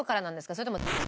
それとも。